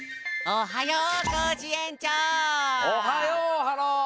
おはよう！